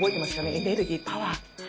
エネルギーパワー。